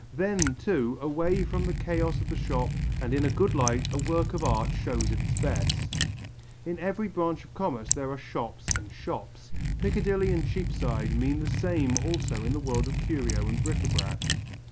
Then, too, away from the chaos of the shop and in a good light a work of art shows at its best. In every branch of commerce there are shops and shops, Piccadilly and Cheapside mean the same also in the world of curio and bric à brac.